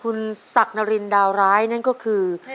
คุณศักดิ์นรินดาวร้ายนั่นก็คือ